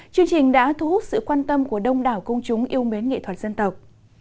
chương trình đã thu hút sự quan tâm của đông đảo công chúng yêu mến nghệ thuật dân tộc